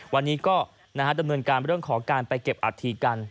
วันนี้ก็จะนการเรื่องของการไปเก็บอาทริย์กัน